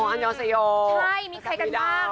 อันยาเซโยประกับวีดา